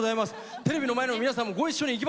テレビの前の皆さんもご一緒にいきますよ。